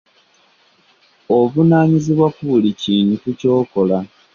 Ovunaanyizibwa ku buli kintu ky'okola.